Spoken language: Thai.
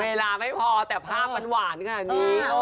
เวลาไม่พอแต่ภาพมันหวานขนาดนี้